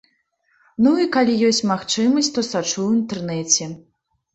Ну, і калі ёсць магчымасць, то сачу ў інтэрнэце.